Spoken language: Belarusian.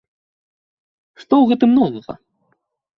Што ў гэтым новага?